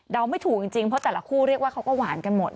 ไม่ถูกจริงเพราะแต่ละคู่เรียกว่าเขาก็หวานกันหมด